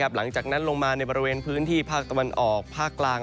หลังจากนั้นลงมาในบริเวณพื้นที่ภาคตะวันออกภาคกลาง